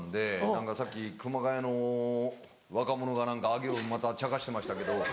何かさっき熊谷の若者が何か上尾またちゃかしてましたけど。